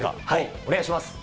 お願いします。